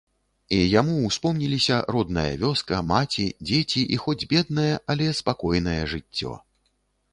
І яму ўспомніліся родная вёска, маці, дзеці і хоць беднае, але спакойнае жыццё.